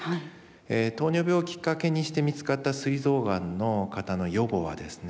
糖尿病をきっかけにして見つかったすい臓がんの方の予後はですね